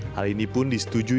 hal ini pun disetujui